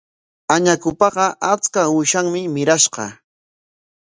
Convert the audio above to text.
Añakupaqa achka uushanmi mirashqa.